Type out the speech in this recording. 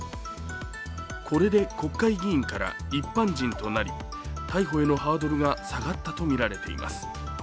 これで、国会議員から一般人となり逮捕へのハードルが下がったとみられています。